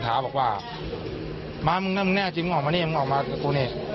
บอกว่ามามึงนะมึงแน่จริงออกมานี่มึงออกมากูนี่